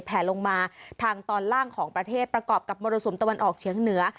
แผลลงมาทางตอนล่างของประเทศประกอบกับมรสุมตะวันออกเฉียงเหนือ